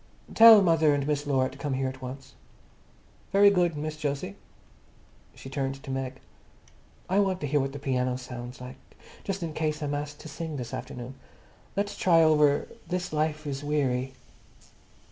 "Tell mother and Miss Laura to come here at once." "Very good, Miss Jose." She turned to Meg. "I want to hear what the piano sounds like, just in case I'm asked to sing this afternoon. Let's try over 'This life is Weary.